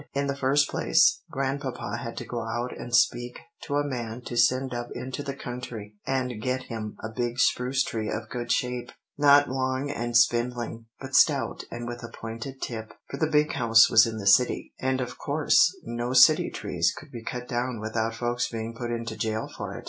In the first place, Grandpapa had to go out and speak to a man to send up into the country and get him a big spruce tree of good shape, not long and spindling, but stout and with a pointed tip; for the Big House was in the city, and of course no city trees could be cut down without folks being put into jail for it.